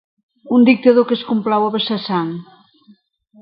Un dictador que es complau a vessar sang.